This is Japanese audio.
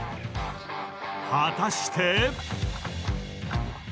果たして。